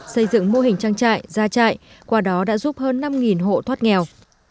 xây dựng mô hình trang trại gia trại qua đó đã giúp hơn năm hộ thoát nghèo